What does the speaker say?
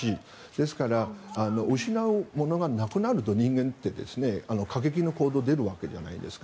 ですから、失うものがなくなると人間って過激な行動に出るわけじゃないですか。